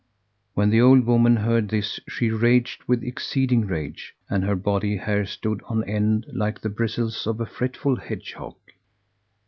When the old woman heard this, she raged with exceeding rage, and her body hair stood on end like the bristles of a fretful hedgehog.